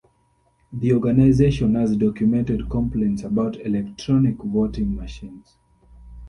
The organization has documented complaints about electronic voting machines.